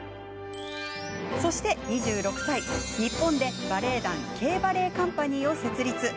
そして２６歳、日本でバレエ団Ｋバレエカンパニーを設立。